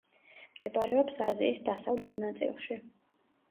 მდებარეობს აზიის დასავლეთ ნაწილში.